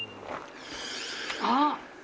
あっ！